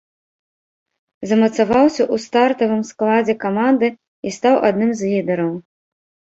Замацаваўся ў стартавым складзе каманды і стаў адным з лідараў.